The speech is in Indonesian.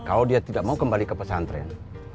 kalau dia tidak mau kembali ke pesantren